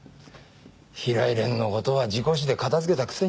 平井蓮の事は事故死で片付けたくせに。